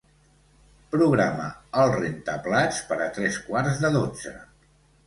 Programa el rentaplats per a tres quarts de dotze.